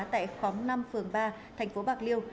tại khóm năm phường ba thành phố bạc liêu